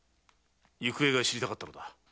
行方が知りたかったのだ。